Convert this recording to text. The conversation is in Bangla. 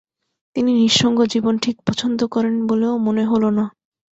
তিনি নিঃসঙ্গ জীবন ঠিক পছন্দ করেন বলেও মনে হল না।